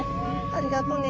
ありがとうね。